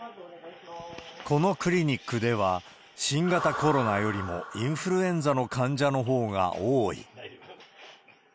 このクリニックでは、新型コロナよりもインフルエンザの患者のほうが多い。